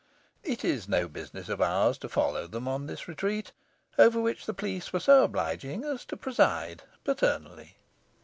It is no business of ours to follow them on this retreat, over which the police were so obliging as to preside paternally.